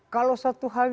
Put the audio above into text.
kalau satu hal